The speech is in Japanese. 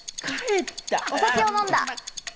お酒を飲んだ！